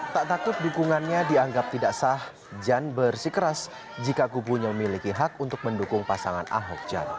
tak takut dukungannya dianggap tidak sah jan bersikeras jika kubunya memiliki hak untuk mendukung pasangan ahok jarot